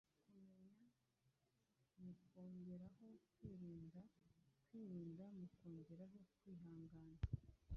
kumenya mukongereho kwirinda, kwirinda mukongereho kwihangana,